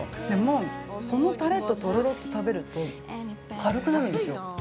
でも、このタレととろろと食べると軽くなるんですよ。